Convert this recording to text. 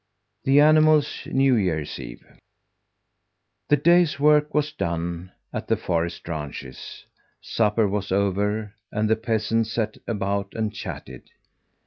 THE ANIMALS' NEW YEAR'S EVE The day's work was done at the forest ranches, supper was over, and the peasants sat about and chatted.